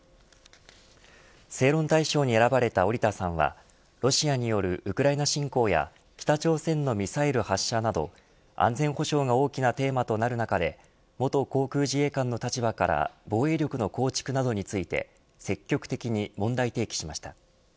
正論大賞に選ばれた織田さんはロシアによるウクライナ侵攻や北朝鮮のミサイル発射など安全保障が大きなテーマとなる中で元航空自衛官の立場から防衛力の構築などについて積極的に問題提起しました。